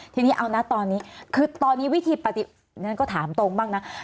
ทีนี้เอานะตอนนี้คือตอนนี้วิธีปฏิฉันก็ถามตรงบ้างนะ